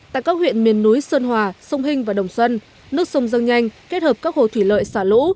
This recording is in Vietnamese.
tại các huyện miền núi sơn hòa sông hinh và đồng xuân nước sông dâng nhanh kết hợp các hồ thủy lợi xả lũ